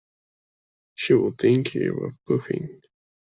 She would think you were puffing.